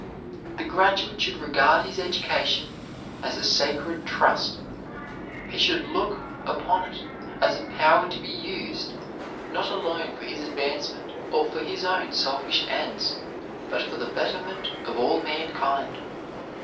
The graduate should regard his education as a sacred trust. He should look upon it as a power to be used, not alone for his advancement, or for his own selfish ends, but for the betterment of all mankind.